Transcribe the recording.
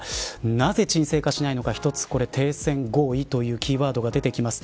なぜ沈静化しないのか一つ、停戦合意というキーワードが出てきます。